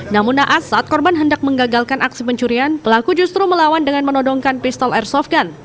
namun naas saat korban hendak mengagalkan aksi pencurian pelaku justru melawan dengan menodongkan pistol airsoft gun